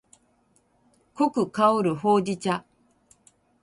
濃く香るほうじ茶